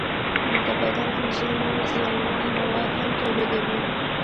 د بدن حجرې نور زیانمن مواد هم تولیدوي.